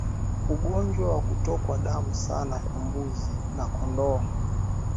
Ugonjwa wa kutokwa damu sana kwa mbuzi na kondoo